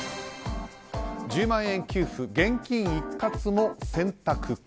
１０万円給付、現金一括も選択可。